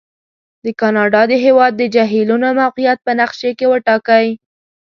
د کاناډا د هېواد د جهیلونو موقعیت په نقشې کې وټاکئ.